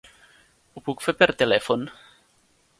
Ho puc fer per telèfon?